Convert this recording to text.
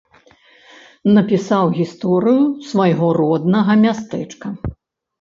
Напісаў гісторыю свайго роднага мястэчка.